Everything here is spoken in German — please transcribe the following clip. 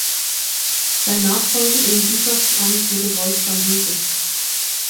Sein Nachfolger im Bischofsamt wurde Wolfgang Huber.